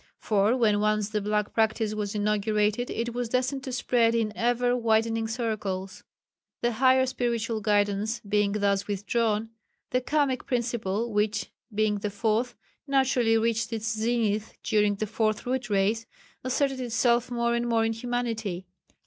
For when once the black practice was inaugurated it was destined to spread in ever widening circles. The higher spiritual guidance being thus withdrawn, the Kamic principle, which being the fourth, naturally reached its zenith during the Fourth Root Race, asserted itself more and more in humanity.